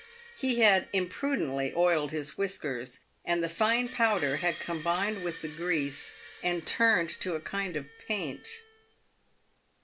He had impru dently oiled his whiskers, and the fine powder had combined with the grease, and turned to a kind of paint.